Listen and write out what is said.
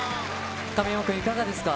神山君、いかがですか。